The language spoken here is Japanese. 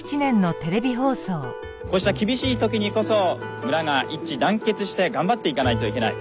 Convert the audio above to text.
こうした厳しい時にこそ村が一致団結して頑張っていかないといけない。